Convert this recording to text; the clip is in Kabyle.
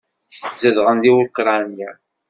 Zedɣen deg Ukṛanya.